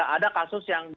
ada kasus yang